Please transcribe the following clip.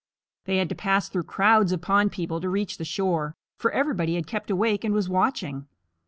They had to pass through crowds of pond people to reach the shore, for everybody had kept awake and was watching.